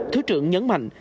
thứ trưởng nhấn mạnh